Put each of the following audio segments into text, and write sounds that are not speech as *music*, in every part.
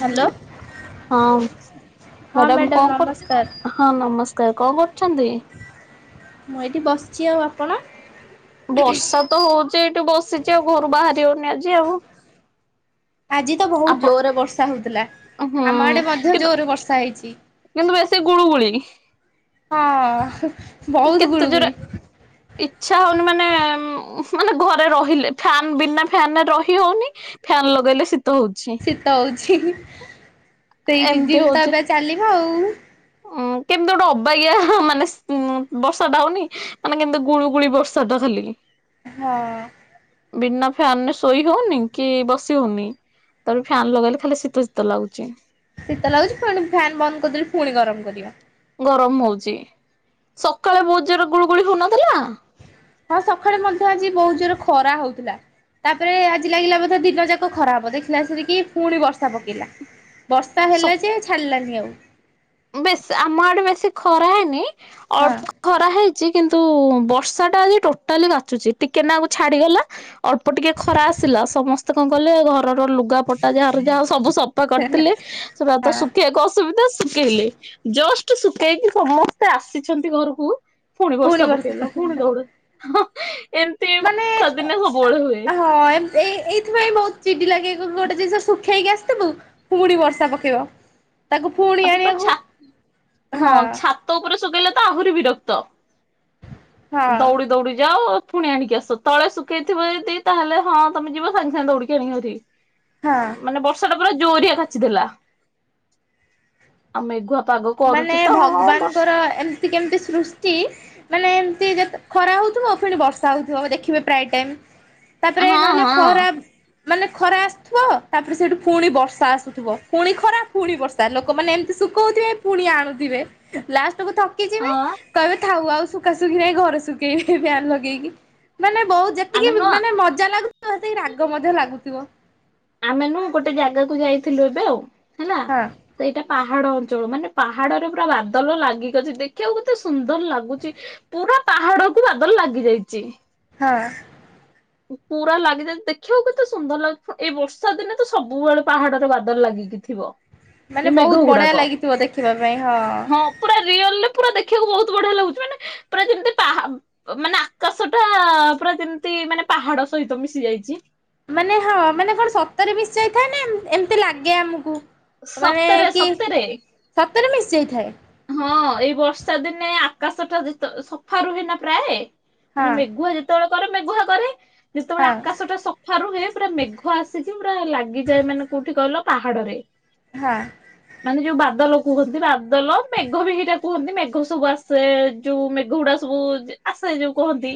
Hello ହଁ ହଁ madam madam କଣ କରୁ ନମସ୍କାର ହଁ ନମସ୍କାର୍ କଣ କରୁଚନ୍ତି? ମୁଁ ଏଇଠି ବସିଚି ଆଉ ଆପଣ? ବର୍ଷା ତ ହଉଚି ଏଇଠେ ବସିଚି ଆଉ ଘରୁ ବାହାରି ହଉନି ଆଜି ଆଉ। ଆଜି ତ ବହୁତ୍ ଆପଣ ଜୋରେ ବର୍ଷା ହଉଥିଲା ହୁଁ ଆମ ଆଡ଼େ ମଧ୍ୟ କିନ୍ତୁ ଜୋରେ ବର୍ଷା ହେଇଚି। କିନ୍ତୁ ବେଶୀ ଗୁଳୁଗୁଳି। ହଁ। ବହୁତ କେତେ ଜୋରେ ଗୁଳୁଗୁଳି। ଇଚ୍ଛା ହଉନି ମାନେ-ଉଁ- ମାନେ ଘରେ ରହିଲେ ଫ୍ୟାନ୍ ବିନା ଫ୍ୟାନ୍ ରେ ରହି ହଉନି ଫ୍ୟାନ୍ ଲଗେଇଲେ ଶୀତ ହଉଚି। ଶୀତ ହଉଚି ହିଁ ହିଁ ସେଇ ସିଜିନ୍ ତ ଏବେ ଚାଲିବ ଆଉ ଅଁ କିପ୍ କେମତି ଗୋଟେ ଅବାଗିଆ ମାନେ ଉଁ ବର୍ଷାଟା ହଉନି ମାନେ କେମିତି ଗୁଳୁଗୁଳି ବର୍ଷାଟା ଖାଲି। ହଁ। ବିନା ଫ୍ୟାନ୍ ରେ ଶୋଇ ହଉନି କି ବସି ହଉନି। ତାପରେ ଫ୍ୟାନ୍ ଲଗେଇଲେ ଖାଲି ଶୀତ ଶୀତ ଲାଗୁଚି। ଶୀତ ଲାଗୁଚି ଫୁଣି ଫ୍ୟାନ୍ ବନ୍ଦ କରିଦେଲେ ଫୁଣି ଗରମ୍ କରିବ? ଗରମ୍ ହଉଚି। ସକାଳେ ବହୁତ୍ ଜୋର୍ ରେ ଗୁଳୁ ଗୁଳି ହଉନଥିଲା? ହଁ ସଖାଳେ ମଧ୍ୟ ଆଜି ବହୁତ୍ ଜୋର୍ ରେ ଖରା ହଉଥିଲା। ତାପରେ ଆଜି ଲାଗିଲା ବୋଧେ ଦିନ ଯାକ ଖରା ହବ ଦେଖିଲା ବଳସିକି ପୁଣି ବର୍ଷା ପକେଇଲା। ବର୍ଷା ହେଲା ଯେ ଛାଡ଼ିଲାନି ଆଉ। ବେଶୀ ଆମ ଆଡେ ବେଶୀ ଖରା ହେଇନି ହଁ ଅଳ୍ପ ଖରା ହେଇଚି କିନ୍ତୁ ବର୍ଷାଟା ଆଜି ଟୋଟାଲି କାଚୁଚି ଟିକେ ନାକୁ ଛାଡିଗଲା ଅଳ୍ପ ଟିକେ ଖରା ଆସିଲା ସମସ୍ତେ କଣ କଲେ ଘରର ଲୁଗାପଟା ଯାହାର ଯାହା ସବୁ ସ ସଫା କରିଥିଲେ ସେରା ତ ହଁ ଶୁଖେଇବାକୁ ଅସୁବିଧା ଶୁକେଇଲେ ଜଷ୍ଟ୍ ଶୁକେଇକି ସମସ୍ତେ ଆସିଚନ୍ତି ଘରକୁ ଫୁଣି ବର୍ଷା ପକେଇଲା ଫୁଣି ଦଉଡ। ମାନେ ହଁ ଏମ୍ ଏ ଏଇଥିପାଇଁ ବହୁତ୍ ଚିଡି ଲାଗେ ଗୋଟେ ଜିନିଷ ଶୁଖେଇକି ଆସିଥିବୁ ପୁଣି ବର୍ଷା ପକେଇବ ତାକୁ ପୁଣି ତାପରେ ତ ଆଣିବାକୁ ଛା ହଁ। ଛାତ ଉପରେ ଶୁକେଇଲେ ତ ଆହୁରି ବିରକ୍ତ। ହଁ ଦଉଡ଼ି ଦଉଡି ଯାଅ। ପୁଣି ଆଣିକି ଆସ ତଳେ ଶୁଖେଇଥିବ ଯଦି ତାହେଲେ ହଁ ତମେ ଯିବ ସାଙ୍ଗେ ସାଙ୍ଗେ ଦଉଡିକି ଆଣିକିି ଆସି ହଁ ମାନେ ବର୍ଷାଟା ପୁରା ଜୋରିଆ କାଚିଦେଲା ଆଉ ମେଘୁଆ ପାଗକୁ ମାନେ ଭଗବାନଙ୍କର ଏମିତି କେମିତି ସୃଷ୍ଟି ମାନେ ଏମତି ଯେତେ ଖରା ହଉଥିବ ଫିର୍ ବର୍ଷା ହଉଥିବ ଦେଖିବେ ପ୍ରାୟ ଟାଇମ୍। ତାପରେ ହଁ ନହେଲେ ହଁ ଖରା ମାନେ ଖରା ଆସୁଥିବ ତାପରେ ସେଇଠୁ ପୁଣି ବର୍ଷା ଆସୁଥିବ ଫୁଣି ଖରା ଫୁଣି ବର୍ଷା ତାପରେ ଲୋକମାନେ ଏମିତି ଶୁକଉଥିବେ ପୁଣି ଆଣୁଥିବେ ଲାଷ୍ଟକୁୁ ଥକିଯିବେ ହଁ କହିବେ ଥାଉ ଆଉ ଶୁକା ଶୁକି ନାଇଁ ଘରେ ଶୁକେଇ ବି ଫ୍ୟାନ୍ ଲଗେଇକି। ମାନେ ବହୁତ୍ ଆମେ ଯେତିକି ନୁହଁ ମାନେ ମଜା ଲାଗୁଥିବ ସେତିକି ରାଗ ମଧ୍ୟ ଲାଗୁଥିବ। ଆମେ ନୁହୁଁ ଗୋଟେ ଜାଗାକୁ ଯାଇଥିଲୁ ଏବେ ଆଉ ହେଲା ହଁ। ସେଇଟା ପାହାଡ ଅଞ୍ଚଳ ମାନେ ପାହାଡରେ ପୁରା ବାଦଲ ଲାଗିକି ଅଛି ଦେଖିବାକୁ କେତେ ସୁନ୍ଦର ଲାଗୁଚି? ପୁରା ପାହାଡକୁ ବାଦଲ ଲାଗି ଯାଇଚି। ହଁ। ପୁରା ଲାଗିଯାଇଚି ଦେଖିବାକୁ କେତେ ସୁନ୍ଦର୍ ଲାଗୁଥିବ ଏଇ ବର୍ଷା ଦିନେ ତ ସବୁବେଳେ ପାହାଡରେ ବାଦଲ ଲାଗିକି ଥିବ। ଯୋଉ ମାନେ ମେଘ ବହୁତ ବଢିଆ ଗୁଡାକ। ଲାଗିଥିବ ଦେଖିବା ପାଇଁ ହଁ। ପୁରା ରିଅଲ୍ ରେ ପୁରା ଦେଖିବାକୁ ବହୁତ୍ ବଢିଆ ଲାଗୁଚି ମାନେ ପୁରା ଯେମିତି ପାହା ଅ ମାନେ ଆକା କାଶ ଟା ପୁରା ଯେମିତି ମାନେ ପାହାଡ ସହିତ ମିଶି ଯାଇଛି। ମାନେ ହଁ ମାନେ କଣ ସତରେ ମିଶ ଯାଇଥାଏ ନା ଏମ୍ ଏମିତି ଲାଗେ ଆମକୁ। ମାନେ ସତରେ କି ସତରେ। ସତରେ ମିଶି ଯାଇଥାଏ। ହଁ ଏଇ ବର୍ଷା ଦିନେ ଆକାଶ ଟା ଯେ ତ ସଫା ରୁହେ ନା ପ୍ରାଏ। ହଁ ମାନେ ମେଘୁଆ ଯେତେବେଳେ କରେ ମେଘୁଆ କରେ। ହଁ। ତ ଟା ସଫା ରୁହେ ସେଟା ମେଘ ଆସିଛି ପୁରା ଲାଗିଯାଏ ମାନେ କୋଉଠି କହିଲ ପାହାଡ ରେ। ହଁ। ମାନେ ଯୋଉ ବାଦଲ କୁହନ୍ତି ବାଦଲ ମେଘ ବି ହେଇଟା କୁହନ୍ତି ମେଘ ସବୁ ଆସେ ଯୋଉ ମେଘ ଉଡା ସବୁ ଆସେ ଯୋଉ କହନ୍ତି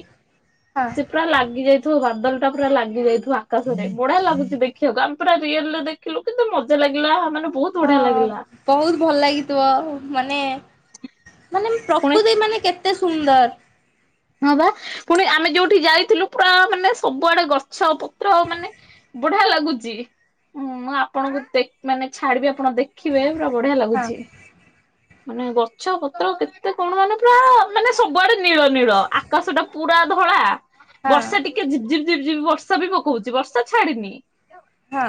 ହଁ ସେ ପୁରା ଲାଗି ଯାଇଥିବ ବାଦଲ ଟା ପୁରା ଲାଗି ଯାଇଥିବ ଆକାଶରେ ବଢା ଲାଗୁଛି ଦେଖିବାକୁ ଆମେ ପୁରା ରିଅଲରେ ଦେଖ ଦେଖିଲୁ କିନ୍ତୁ ମତେ ଲାଗିଲା ମାନେ ବହୁତ ହଁ ବଢିଆ ଲାଗିଲା ବହୁତ ଭଲ ଲାଗିଥିବ ମାନେ ମାନେ ପୁଣି ପ୍ରକୃତି ମାନେ କେତେ ସୁନ୍ଦର। ହଁ ବା ପୁଣି ଆମେ ଯୋଉଠି ଯାଇଥିଲୁ ପୁରା ମାନେ ସବୁଆଡେ ଗଛ ପତ୍ର ମାନେ ବଢିଆ ଲାଗୁଛି ହଁ ମୁଁ ଆପଣଙ୍କୁ ଦେଖ ମାନେ ଛାଡିବି ଆପଣ ଦେଖ ଦେଖିବେ ପୁରା ବଢିଆ ହଁ ଲାଗୁଛି ମାନେ ଗଛ ପତ୍ର କେତେ କଣ ମାନେ ପୁରା ମାନେ ସବୁଆଡେ ନୀଳ ନୀଳ ଆକାଶ ଟା ପୁରା ଧଳା ହଁ ବର୍ଷା ଟିକ ଟିକେ ଝିପ୍ ଝିପ୍ ବର୍ଷା ବି ପକଉଛି ବର୍ଷା ଛାଡିନି। ହଁ।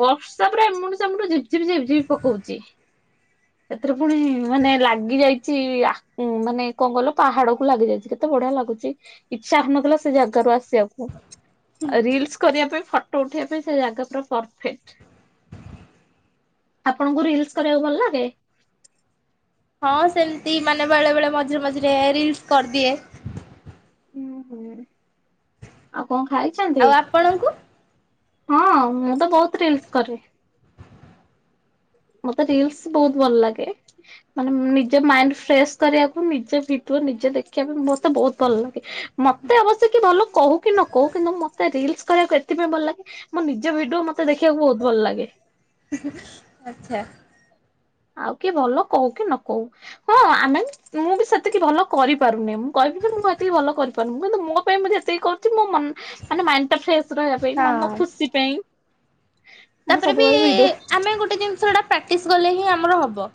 ବର୍ଷା ପୂରା ଏମୁଣ୍ଡୁ ସେମୁଣ୍ଡୁ ଝିପ୍ ଝିପିି ଝିପ୍ ଝିପି ପକଉଛିି ସେଥିରେ ପୁଣି ମାନେ ଲାଗି ଯାଇଛି ଆ ଉୁଁ ମାନେ କଂ କଲ ପାହାଡ କୁ ଲାଗି ଯାଇଛି କେତେ ବଢିଆ ଲାଗୁଛି ଇଚ୍ଛା ହନଥିଲା ସେ ଜାଗାରୁ ଆସିବାକୁ। ରିଲସ କରିବା ପାଇଁ ଫଟୋ ଉଠେଇ ପାଇଁ ସେ ଜାଗା ପୁରା ପରଫେକ୍ଟ। ଆପଣଙ୍କୁ ରିଲସ କରିବାକୁ ଭଲ ଲାଗେ। ହଁ ସେମିତି ମାନେ ବେଳେ ବେଳେ ମଝିରେ ମଝିରେ ରିଲସ କରିଦିଏ। ଓ ହୋ ଆଉ ଙ୍କ ଆଉ ଖାଇଛନ୍ତି? ଆପଣଙ୍କୁ? ହଁ ମୁଁ ତ ବହୁତ ରିଲ୍ସ କରେ। ମତେ ରିଲ୍ସ ବହୁତ ଭଲ ଲାଗେ। ମାନେ ମ ନିଜ ମାଇଣ୍ଡ ଫ୍ରେଶ କରିବାକୁ ନିଜେ ଭିିତଓ ନିଜେ ଦେଖିବାକୁ ମତେ ବହୁତ ଭଲ ଲାଗେ। ମତେ ଅବଶ୍ୟ କି ଭଲ କହୁ କି ନ କହୁ କିନ୍ତୁ ମତେ ରିଲସ କରିବାକୁ ଏଥିପାଇଁ ଭଲ ଲାଗେ ମୋ ନିଜ ଭିଡିଓ ମତେ ଦେଖିବାକୁ ବହୁତ ଭଲ ଲାଗେ। ଆଛା। ଆଉ କିଏ ଭଲ କହୁ କି ନ କହୁ ହଁ ଆମେ ମୁଁ ବି ସେତିକି ଭଲ କରିପାରୁନି ମୁ କହିବି ଯେ ମୁଁ ଏତିକି ଭଲ କରିପାରୁନି କିନ୍ତୁ ମୋ ପାଇଁ ମୁ ଯେତିକି କରୁଚି ମୋ ମନ ମାନେ ମାଇଣ୍ଡ ଟା ଫ୍ରେଶ ରହିବା ପାଇଁ ହଁ ମନ ଖୁସି ପାଇଁ। ମୁଁ ତାପରେ ବି ସବୁବେଳେ ଭିଡିଓ ଆମେ ଗୋଟେ ଜିନିଷ ଏଟା ପ୍ରାକ୍ଟିସ କଲେ ହିଁ ଆମର ହବ।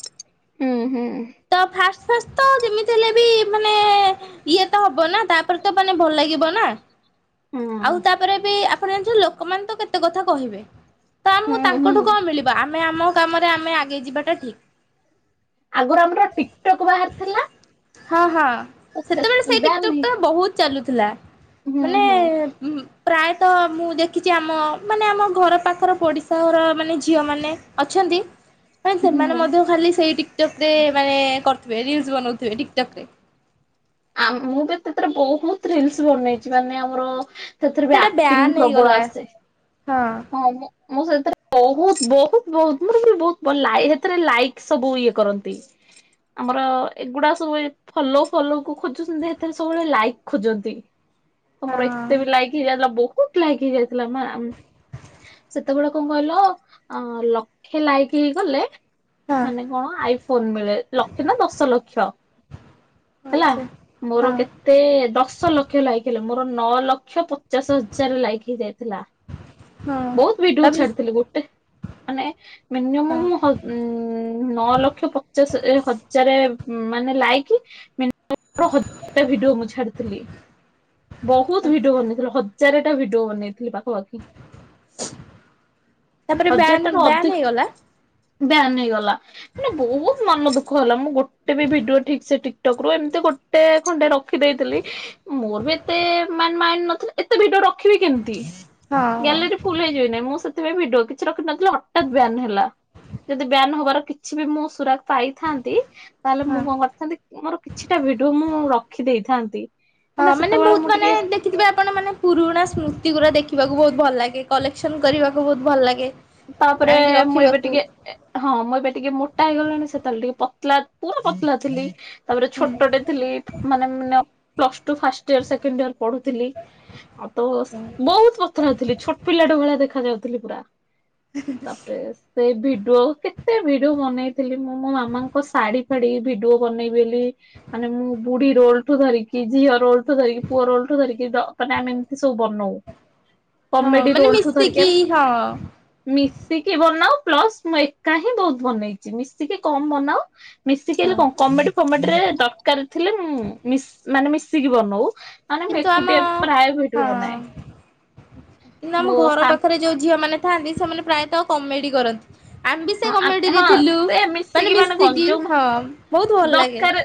ହୁଁ ହୁଁ। ତ ଫାଷ୍ଟ ଫାଷ୍ଟ ତ ଯେମିତି ହେଲେ ବି ମାନେ ଇଏ ତ ହବ ନା ତାପରେ ତ ମାନେ ଭଲ ଲାଗିବ ନା। ହୁଁ ଆଉ ତାପରେ ବି ଆପଣ ଜଣିଛ ଲୋକମାନେ ତ କେତେ କଥା କହିବେ ତ ମୁଁ ହୁଁ ତାଙ୍କଠୁ ହୁଁ କଣ ମିଳିବି ଆମେ ଆମ କାମରେ ଆମେ ଆଗେଇ ଯିବାଟା ଠିକ୍ ଆଗରୁ ଆମର ଟିକଟକ୍ ବାହାରି ଥିଲା ହଁ ହଁ ସେତେବେଳେ ସେଇ ବ୍ୟାନ ଟିକଟକ୍ ହେଇ ଟା ବହୁତ ଚାଲୁଥିଲା ହୁଁ ମାନେ ହୁଁ ଉହୁ ପ୍ରାୟତଃ ମୁଁ ଦେଖିଛି ଆମ ମାନେ ଆମ ଘର ପାଖର ପଡ଼ିଶା ଘର ମାନେ ଝିଅମାନେ ଅଛନ୍ତି। ମାଇ ସେମାନେ ହୁଁ ମଧ୍ୟ ଖାଲି ସେଇ ଟିକ୍ ଟକ୍ ରେ ମାନେ କରୁଥିବେ ରିଲିସ୍ ବନଉଥିବେ ଟିକ୍ ଟକ୍ ରେ ଆଉ ମୁଁ ତ ତେତିରେ ବହୁତ ରିଲିସ୍ ବନେଇଛି ମାନେ ଆମର ସେଥିରେ ବି ସେଇଟା ବ୍ୟାନ୍ ଆକ୍ଟିଙ୍ଗ ପ୍ରବଳ ହେଇଗଲା ଆସେ। ହଁ। ହଁଆ ମୁଁ ସେଥିରେ ବହୁତ ବହୁତ ବହୁତ ମୋର ବି ବହୁତ ସେଥିରେ ଲାଇକ୍ ସବୁ ଇଏ କରନ୍ତି। ଆମର ଏଗୁଡା ସବୁ ଫଲୋ ଫଲୋ କୁ ଖୋଜୁଛନ୍ତି ଏଥିରେ ସବୁବେଳେ ଲାଇକ୍ ଖୋଜନ୍ତି। ହଁ ତମର ଏତେ ବି ଲାଇକ୍ ହେଇ ଯାଇଥିଲା ବହୁତ ଲାଇକ ହେଇ ଯାଇଥିଲା ମା। ସେତେବେଳେ କଣ କହିଲ ଅ ଲକ୍ଷେ ଲାଇକି ହେଇଗଲେ ହଁ ମାନେ କଣ ଆଇଫୋନ ମିଳେ ଲକ୍ଷେ ନା ଦଶ ଲକ୍ଷ ହେଲା। ଆଚ୍ଛା। ମୋର ହଁ କେତେ ଦଶ ଲକ୍ଷ ଲାଇକ ହେଲେ ମୋର ନଅ ଲକ୍ଷ ପଚାଶ ହଜାର ଲାଇକ ହେଇ ଯାଇଥିଲା। ହଁ ବହୁତ ଭିଡିଓ ତାପରେ ଛାଡିଥିଲି ଗୋଟେ ମାନେ ହଁ ମିନିମମ୍ ମୁ ହ ଉ -ନଅ ଲକ୍ଷ ପଚାଶ ହଜାର ମାନେ ଲାଇକି ମିନିମମ୍ *unintelligible* ହ -ଭିଡିଓ ମୁ ଛାଡ଼ିଥିଲି। ବହୁତ ଭିଡିଓ ଆଚ୍ଛା। ବନେଇଥିଲି ହଜାର ଟା ଭିଡିଓ ବନେଇଥିଲି ପାଖାପାଖି। ତାପରେ ବ୍ୟାନ ବ୍ୟାନ ହେଇଗଲା। ବ୍ୟାନ ହେଇଗଲା। ମାନେ ବହୁତ ମନ ଦୁଃଖ ହେଲା ମୁଁ ଗୋଟେ ବି ଭିଡିଓ ଠିକ୍ ସେ ଟିକଟକ୍ ରୁ ଏମିତି ଗୋଟେ ଖଣ୍ଡେ ରଖିଦେଇଥିଲି। ମୋର ବି ଏତେ ମେ ମାଇଣ୍ଡ ନଥିଲା ଏତେ ଭିଡିଓ ରଖିବି କେମତି। ହଁ ଗ୍ୟାଲେରୀ ଫୁଲ ହେଇଯିବ ନାଇଁ ମୁଁ ସେଥିପାଇଁ ଭିଡିଓ କିଛି ରଖି ନଥିଲି ହଠାତ୍ ବ୍ୟାନ୍ ହେଲା। ଯଦି ବ୍ୟାନ ହବାର କିଛି ବି ମୁଁ ସୁରାଗ ପାଇଥାନ୍ତି ତାହେଲେ ହଁ। ମୁଁ କଣ କରିଥାନ୍ତି ମୋର କିଛିଟା ଭିଡିଓ ମୁଁ ରଖି ଦେଇଥାନ୍ତି। ହଁ କାହିଁକିନା ମାନେ ସେତେବେଳେ ବହୁତ ମୁଁ ମାନେ ଟିକେ ଦେ ଖିଥିବେ ଆପଣ ମାନେ ପୁରୁଣା ସ୍ମୃତି ଗୁରା ଦେଖିବାକୁ ବହୁତ ଭଲ ଲାଗେ କଲେକ୍ସନ କରିବାକୁ ବହୁତ ଭଲ ଲାଗେ। ତାପରେ ଆଣିକି ମୁଁ ଏବେ ରଖିବାକୁ ଟିକେ ହଁ ମୁଁ ଏବେ ଟିକେ ମୋଟା ହେଇଗଲିଣି ସେତେବେଳେ ଟିକେ ପତଲା ପୁରା ପତଲା ଥିଲି। ତାପରେ ହୁଁ। ଛୋଟଟେ ଥିଲି ମାନେ ମ plus two first year second year ପଢୁଥିଲି। ଆଉ ତ ଆଛା ବହୁତ ପଥର ହଉଥିଲି ଛୋଟ ପିଲାଟେ ଭଳିଆ ଦେଖା ଯାଉଥିଲି ପୁରା। ତାପରେ ସେ ଭିଡିଓ କେତେ ଭିଡିଓ ବନେଇଥିଲି ମୁଁ ମୋ ମାମାଙ୍କ ଶାଢୀ ଫାଢୀ ଭିଡିଓ ବନେଇବି ବୋଲି ମାନେ ମୁଁ ବୁଢୀ ରୋଲଠୁ ଧରିକି ଝିଅ ରୋଲଠୁ ଧରିକି ପୁଅ ରୋଲଠୁ ଧରିକି ଦ ମାନେ ଆମେ ଏମିତି ସବୁ ବନଉ। ହଁ କମେଡି ମାନେ ରୋଲ ଠୁ ଧରିକି ମିଶିକି ଆମେ ହଁ। ମିଶିକି ବନାଉ ପ୍ଲସ ମୁଁ ଏକା ହିଁ ବହୁତ ବନେଇଛି ମିଶିକି କମ ବନାଉ। ମିଶିକି ହେଲେ ହଁ କଣ କମେଡି ଫମେଡି ରେ ଦରକାର ଥିଲେ ମୁଁ ମିସ୍ ମାନେ ମିଶିକି ବନଉ। ମାନେ ମୁଁ କିନ୍ତୁ ଆମ ଏକୁଟିଆ ପ୍ରାୟ ଭିଡିଓ ହଁ ବନାଏ କିନ୍ତୁ ଆମ ମୋ ଘର ସା ପାଖରେ ଯୋଉ ଝିଅ ମାନେ ଥାଆନ୍ତି ସେମାନେ ପ୍ରାୟତଃ କମେଡି କରନ୍ତି। ଆମେ ବି ସେ ହଁ କମେଡିରେ ହଁ ଥିଲୁ ସେ ମାନେ କଣ ମିଶିକି ଯୋଉ ହଁ ବହୁତ ଭଲ ଲାଗେ। ଦରକାର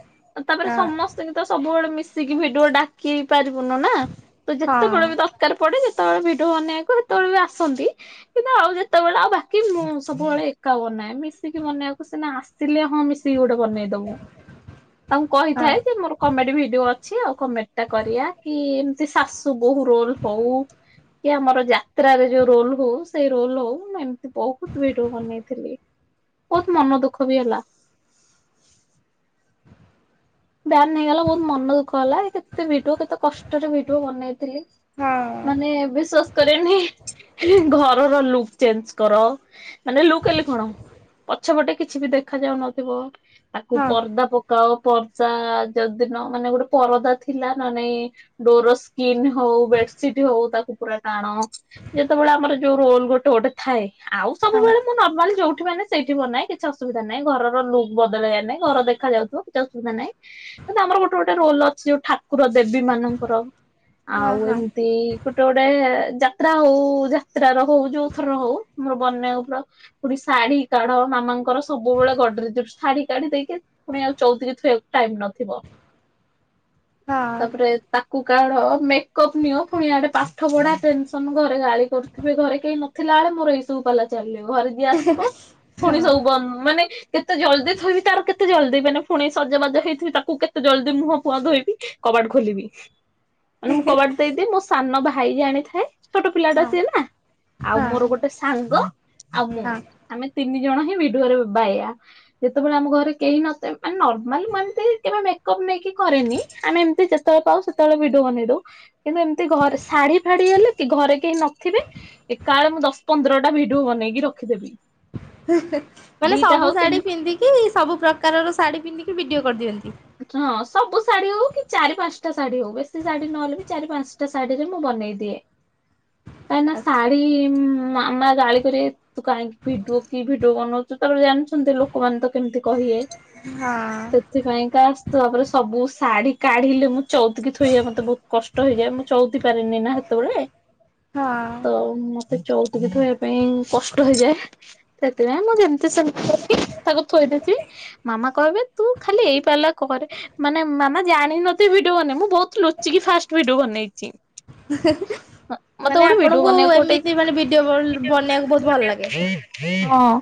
ତାପରେ ହଁ ସମସ୍ତ ସଙ୍ଗେ ତ ସବୁବେଳେ ମିଶିକି ଭିଡିଓ ଡାକି ପାରିବୁନୁ ନା ତ ହଁ ଯେତେବେଳେ ବି ତ ଦରକାର ପଡେ ଯେତେବେଳେ ଭିଡିଓ ବନେଇବାକୁ ସେତେବେଳେ ବି ଆସନ୍ତି। କିନ୍ତୁ ଆଉ ଯେତେବେଳେ ଆଉ ବାକି ମୁଁ ସବୁବେଳେ ଏକା ବନାଏ ମିଶିକି ବନେଇବାକୁ ସିନା ଆସିଲେ ହଁ ମିଶ ମିଶିକି ଗୋଟେ ବନେଇଦବୁ ତାଙ୍କୁ ହଁ କହିଥାଏ ଯେ ମୋର କମେଡି ଭିଡିଓ ଅଛି ଆଉ କମେଡିଟା କରିଆ କି ଏମତି ଶାଶୁ ବୋହୁ ରୋଲ ହଉ। କି ଆମର ଯାତ୍ରାରେ ଯୋଉ ରୋଲ ହଉ ସେଇ ରୋଲ ହଉ ବହୁତ ଭିଡିଓ ବନେଇଥିଲି ବହୁତ ମନ ଦୁଃଖ ବି ହେଲା। ବ୍ୟାନ୍ ନେଇଗଲା ବହୁତ ମନ ଦୁଃଖ ହେଲା କେତେ ଭିଡିଓ କେତେ କଷ୍ଟରେ ଭିଡିଓ ବନେଇ ଥିଲି ହଁ ମାନେ ବିଶ୍ଵାସ କରିବେନି। ଘରର ଲୁକ୍ ଚେଞ୍ଜ କର ମାନେ ଲୁକ୍ ହେଲେ କଣ? ପଛପଟେ କିଛି ବି ଦେଖା ଯାଉନଥିବ ତାକୁ ହଁ ପର୍ଦା ପକାଅ ପ ତା ଯଦି ନ ମାନେ ଗୋଟେ ପରଦା ଥିଲା ନ ନାଇଁ ଡୋର ସ୍କ୍ରିନ୍ ହଉ ବେଡସିଟ ହଉ ତାକୁ ପୁରା ଟାଣ। ଯେତେବେଳେ ଆମର ଯୋଉ ରୋଲ ଗୋଟେ ଗୋଟେ ଥାଏ ଆଉ ହଁ। ସବୁବେଳେ ମୁଁ ନର୍ମାଲି ଯୋଉଠି ମାନେ ସେଇଠି ବନାଏ କିଛି ଅସୁବିଧା ନାଇଁ ଘର ଲୁକ୍ ବଦଳାଏ ନାଇଁ ଘର ଦେଖାଯାଉଥିବ କି ଧ ନାଇଁ ଆମର ଗୋଟେ ଗୋଟେ ରୋଲ ଅଛି ଯୋଉ ଠାକୁର ଦେବୀ ମାନଙ୍କର ହଁ ଆଉ ହଁ ଏମିତି ଗୋଟେ ଗୋଟେ ଯାତ୍ରା ହଉ ଯାତ୍ର ର ହଉ ଯୋଉ ଥରର ହଉ ମୋର ବନଉ ପର ପୁଣି ଶାଢୀ କାଢ ମାମାଙ୍କର ସବୁବେଳେ ଗଡ୍ରେଜରୁ ଶାଢୀ କାଢି ଦେଇକି ପୁଣି ଆଉ ଚଉଦି ଟାଇମ ନଥିବ ହଁ ତାପରେ ତାକୁ କାଢ଼ ମେକଅପ୍ ନିଅ ପୁଣିଆଡେ ପାଠ ପଢା ଟେନସନ ଘରେ ଗାଳି କରୁ ଏବେ ଘରେ କେହି ନଥିଲା ବେଳେ ମୋର ଏଇ ସବୁ ପାଲା ଚାଲିବ ଘରେ ଯିଏ ଆସିବ ପୁଣି ହଁ ସବୁ ବନ୍ଦ ମାନେ କେତେ ଜଲଦି ଥୋଇବି ତାର କେତେ ଜଲଦି ମାନେ ପୁଣି ସଜବାଜ ହେଇଥିବି ତାକୁ କେତେ ଜଲ୍ଦି ମୁହଁ ଫୁଅ ଧୋଇବି କବାଟ ଖୋଲିବି। ମାନେ ମୁଁ କବାଟ ଦେଇଦିଏ ମୋ ସାନ ଭାଇ ଜାଣିଥାଏ। ଛୋଟ ପିଲାଟା ହଁ ସିଏ ନା ଆଉ ହଁ ମୋର ଗୋଟେ ସାଙ୍ଗ ଆଉ ମୁଁ। ହଁ। ଆମେ ତିନି ଜଣ ହିଁ ଭିଡିଓରେ ବାୟା ଯେତେବେଳେ ଆମ ଘରେ କେହି ନଥିବେ ମାନେ ମାନେ ମୁଁ ଏମିତି କେବେ ମେକଅପ୍ ନେଇକି କରେନି ଆମେ ଏମିତି ଯେତେବେଳେ ପାଉ ସେତେବେଳେ ଭିଡିଓ ବନେଇ ଦଉ। କିନ୍ତୁ ଏମତି ଘରେ ଶାଢୀ ଫାଡି ହେଲେ ଘରେ କେହି ନଥିବେ ଏକା ବଳେ ମୁଁ ଦଶ ପନ୍ଦରଟା ଭିଡିଓ ବନେଇକି ରଖିଦେବି। ମାନେ ଦିଟା ସବୁ ହଉ ଶାଢୀ ତିନି ପିନ୍ଧିକି ସବୁ ପ୍ରକାରର ଶାଢୀ ପିନ୍ଧିକି ଭିଡିଓ କରିଦିଅନ୍ତି। ହଁ ସବୁ ଶାଢୀ ହଉ କି ଚାରି ପାଞ୍ଚଟା ଶାଢୀ ହଉ ବେଶୀ ଶାଢୀ ନହେଲେ ବି ଚାରି ପାଞ୍ଚଟା ଶାଢୀରେ ମୁଁ ବନେଇ ଦିଏ। କାହିଁ ନା ଆଚ୍ଛା। ଶାଢୀ ମାମା ଗାଳିିକରିବେ? ତୁ କାହିଁକି ଭିଡିଓ କି ଭିଡିଓ ବନଉଛୁ ତ ଜାଣିଛନ୍ତି ଲୋକମାନେ ତ କେମିତି କହିବେ? ହଁ। ସେଥିପାଇଁକା ତାପରେ ସବୁ ଶାଢ଼ୀ କାଢ଼ିଲେ ମୁଁ ଚଉକି ଥୋଇଯଏ ମତେ ବହୁତ କଷ୍ଟ ହେଇଯାଏ ମ ଚଉଥି ପାରିନି ନା ସେତେବେଳେ ହଁ ତ ମତେ ଚଉତିକି ଥୋଇବା ପାଇଁ କଷ୍ଟ ହେଇଯାଏ। ସେଥିପାଇଁ ମୁଁ ଯେମିତି ସେମିତି କରି ତାକୁ ଥୋଇଦେବି ମାମା କହିବେ ତୁ ଖାଲି ଏଇ ପାଲା କରେ। ମାନେ ମାମା ଜାଣିନଥିଲେ ଭିଡିଓ ବନେଇ ମୁଁ ବହୁତ ଲୁଚିକି ଫାଷ୍ଟ ଭିଡି ବନେଇଛି। ମତେ ମାନେ ଗୋଟେ ଭିଡିଓ ଆପଣଙ୍କୁ ବନେଇବାକୁ ଗୋଟେ ଏମିତି ମାନେ ଭିଡିଓ ବନେଇବାକୁ ବହୁତ ଭଲ ଲାଗେ। ହଁ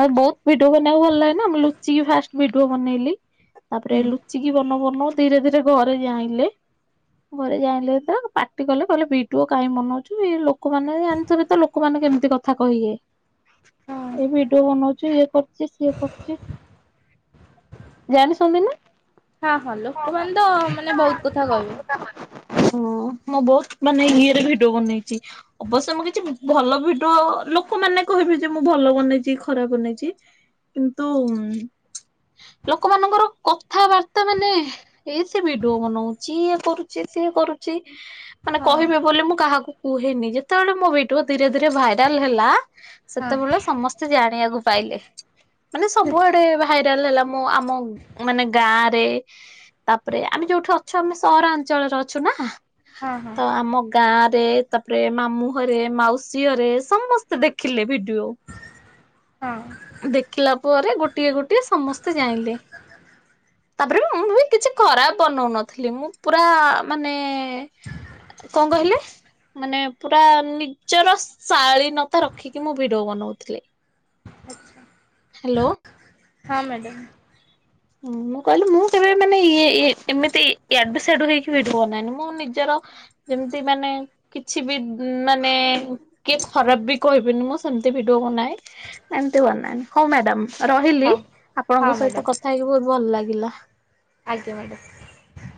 ମେ ବହୁତ ଭିଡିଓ ବନେଇବାକୁ ଭଲ ଲାଗେ ନା ମୁଁ ଲୁଚି ଫାଷ୍ଟ ଭିଡିଓ ବନେଇଲି। ତାପରେ ହୁଁ ଲୁଚିକି ବନଉ ବନଉ ଧୀରେ ଧୀରେ ଘରେ ଯାଣିଲେ। ଘରେ ଯାଇଁଲେ ପାର୍ଟି କଲେ କହିଲେ ବିଡିୁ କାହିଁ ବନଉଛଛି ଲୋକମାନେ ଜାଣିଥିବ ଲୋକ ଲୋକ ମାନଙ୍କୁ କେମିତି କଥା କହିଲେ। ହଁ ଏ ଭିଡିଓ ବନଉଛି, ଇଏ କରୁଛି ସିଏ କରୁଛି, ଜାଣି *unintelligible* ହଁ ହଁ ଲୋକମାନେ ତ ମାନେ ବହୁତ କଥା କହିବେ। ଓ ମୁଁ ବହୁତ ମାନେ ଇଏରେ ଭିଡିଓ ବନେଇଛି। ଅବଶ୍ୟ ମୁଁ କିଛି ଭଲ ଭିଡିଓ ଲୋକ ମାନେ କହିବେ ଯେ ମୁଁ ଭଲ ବନେଇଛି କି ଖରାପ ବନେଇଛି। କିନ୍ତୁ ଲୋକମାନଙ୍କର କଥାବାର୍ତ୍ତା ମାନେ ଏ ସେ ଭିଡିଓ ବନଉଛି ଇଏ କରୁଛି ସିଏ କରୁଛି। ମାନେ ହଁ କହିବେ ବୋଲି ମୁଁ କାହାକୁ କୁହେନି ଯେତେବେଳେ ମୋ ଭିଡିଓ ଧୀରେ ଧୀରେ ଭାଇରାଲ ହେଲା ହଁ ସେତେବେଳେ ସମସ୍ତେ ସେ ଜାଣିବାକୁ ପାଇଲେ ମାନେ ସବୁଆଡେ ଭାଇରାଲ ହେଲା ମୁଁ ଆମ ମାନେ ଗାଁରେ ତାପରେ ଆମେ ଯୋଉଠି ଅଛୁ ଆମେ ସହରାଞ୍ଚଳରେ ଅଛୁ ନା ହଁ ହଁ ତ ଆମ ଗାଁ ରେ ତାପରେ ମାମୁଁରେ ମାଉସୀ ଘରେ ସମସ୍ତେ ଦେଖିଲେ ଭିଡିଓ। ହଁ ଦେଖିଲା ପରେ ଗୋଟିଏ ଗୋଟିଏ ସମସ୍ତେ ଜାଇଲେ। ତାପରେ ମୁଁ ବି କିଛି ଖରାପ୍ ବନୋଉନଥିଲି ମୁଁ ପୁରା ମାନେ କଣ କହିଲେ? ମାନେ ପୁରା ନିଜର ଶାଳୀନତା ରଖିକି ମୁଁ ଭିଡିଓ ବନୋଉଥିଲି। ଆଚ୍ଛା। ହାଲୋ। ହଁ ମ୍ୟାଡ଼ମ୍। ହୁଁ ମୁଁ କହିଲି ମୁଁ କେବେ ମାନେ ଇଏ ଇଏ ଏମିତି ଆଡୁ ସିଆଡୁ ହେଇକି ଭିଡିଓ ବନାଏନି ମୁଁ ନିଜର ଯେମିତି ମାନେ କିଛି ବି ମାନେ କିଏ ଖରାପ୍ ବି କହିବେନି ମୁଁ ସେମିତି ଭିଡିଓ ବାନଏ। ଏମିତି ବନାଅ ହଉ ମ୍ୟାଡାମ୍ ରହିଲି ହଉ ହଁ ଆପଣଙ୍କ ମ୍ୟାଡ଼ାମ ସହିତ କଥା ହେଇକି ବହୁତ୍ ଭଲ ଲାଗିଲା। ଆଜ୍ଞା ମ୍ୟାଡ଼ମ୍।